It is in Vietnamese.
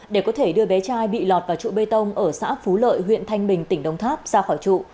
để có thể đưa bé trai bị lọt vào trụ bê tông ở xã phú lợi huyện thanh bình tỉnh đồng tháp ra khỏi trụ